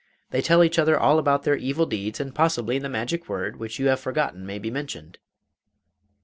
They tell each other all about their evil deeds, and possibly the magic word which you have forgotten may be mentioned.